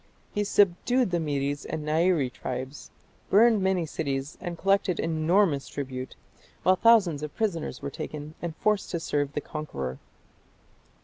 He subdued the Medes and the Nairi tribes, burned many cities and collected enormous tribute, while thousands of prisoners were taken and forced to serve the conqueror.